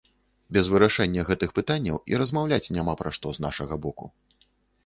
Без вырашэння гэтых пытанняў і размаўляць няма пра што, з нашага боку.